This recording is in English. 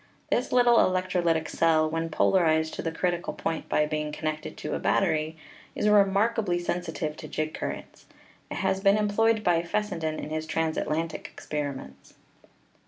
This little electrolytic cell, when polarized to the critical point by being connected to a battery, is remarkably sensitive to jig currents. It has been em ployed by Fessenden in his transatlantic experiments.